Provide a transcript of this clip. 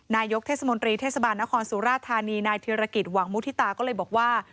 นายกเทศมนตรีเทศบาลนครสุราธานีนายธิรกิจหวังมุฒิตาก็เลยบอกว่า